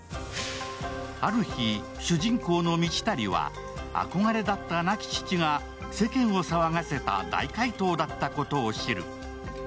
ある日、主人公の道足はあこがれだった亡き父が世間を騒がせた大怪盗だったことを知る。